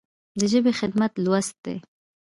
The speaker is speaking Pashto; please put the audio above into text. د ژبې خدمت لوست دی.